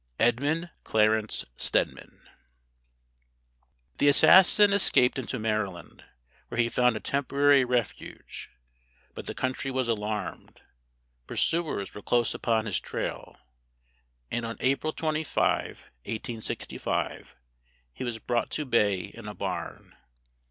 EDMUND CLARENCE STEDMAN. The assassin escaped into Maryland, where he found a temporary refuge, but the country was alarmed, pursuers were close upon his trail, and on April 25, 1865, he was brought to bay in a barn.